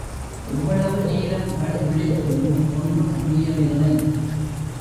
எவ்வளவு நேரம் கண் விழித்தும் ஒன்றும் புரியவில்லை.